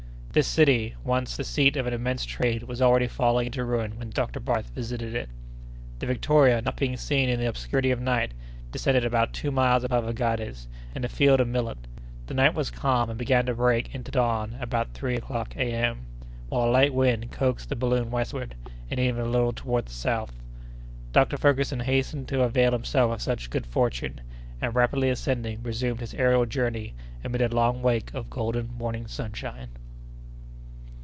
This city, once the seat of an immense trade, was already falling into ruin when Dr. Barth visited it. The Victoria, not being seen in the obscurity of night, descended about two miles above Aghades, in a field of millet. The night was calm, and began to break into dawn about three o'clock A.M.; while a light wind coaxed the balloon westward, and even a little toward the south. Dr. Ferguson hastened to avail himself of such good fortune, and rapidly ascending resumed his aërial journey amid a long wake of golden morning sunshine.